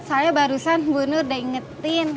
soalnya barusan bu nur udah ingetin